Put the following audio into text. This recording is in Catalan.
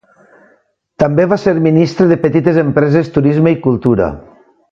També va ser ministre de Petites Empreses, Turisme i Cultura.